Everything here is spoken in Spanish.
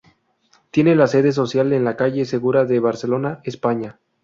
Tiene la sede social en la calle Segura de Barcelona, España.